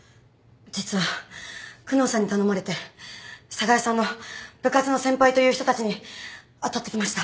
実は久能さんに頼まれて寒河江さんの部活の先輩という人たちにあたってきました。